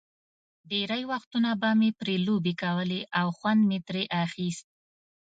ډېری وختونه به مې پرې لوبې کولې او خوند مې ترې اخیست.